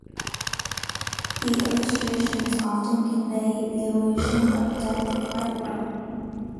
The illustrations often convey the illusion of depth quite well.